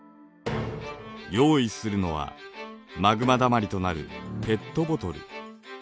用意するのはマグマだまりとなるペットボトル。